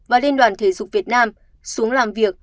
và liên đoàn thể dục việt nam xuống làm việc